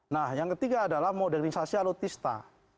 nah yang ketiga adalah modernisasi alutista